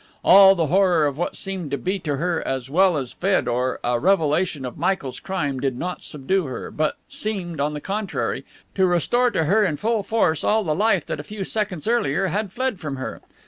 All the horror of what seemed to be to her as well as to Feodor a revelation of Michael's crime did not subdue her, but seemed, on the contrary, to restore to her in full force all the life that a few seconds earlier had fled from her.